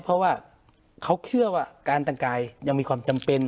เพราะว่าเขาเชื่อว่าการแต่งกายยังมีความจำเป็น